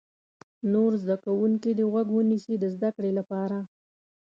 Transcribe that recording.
نور زده کوونکي دې غوږ ونیسي د زده کړې لپاره.